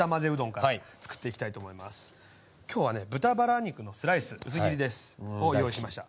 今日はね豚バラ肉のスライス薄切りです。を用意しました。